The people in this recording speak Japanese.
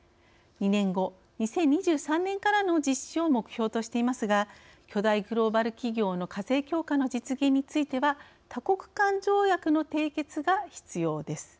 ２年後、２０２３年からの実施を目標としていますが巨大グローバル企業の課税強化の実現については多国間条約の締結が必要です。